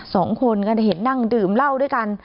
สองคนก็เห็นนั่งดื่มเหล้าด้วยกัน